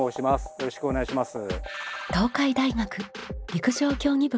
よろしくお願いします。